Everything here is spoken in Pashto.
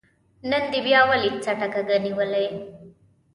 نن دې بيا ولې څټه کږه نيولې ده